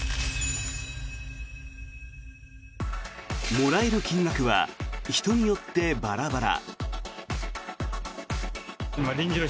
もらえる金額は人によってバラバラ。